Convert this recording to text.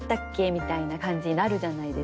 みたいな感じになるじゃないですか。